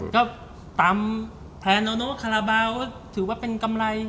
ก็ตำแพลโนคาราบาลก็ถือว่าเป็นกำไร